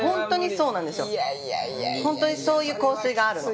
ホントにそういう香水があるの。